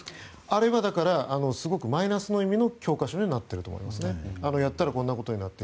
あれはすごくマイナスの意味の教科書になっていると思いますね。